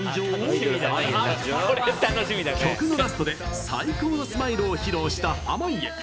曲のラストで最高のスマイルを披露した濱家。